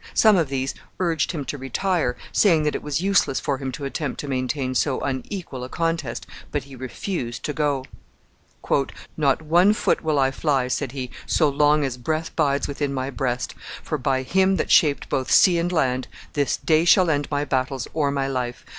Some of these urged him to retire, saying that it was useless for him to attempt to maintain so unequal a contest, but he refused to go. "Not one foot will I fly," said he, "so long as breath bides within my breast; for, by Him that shaped both sea and land, this day shall end my battles or my life.